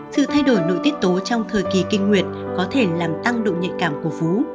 sự thay đổi nội tiết tố trong thời kỳ kinh nguyệt có thể làm tăng độ nhạy cảm của phú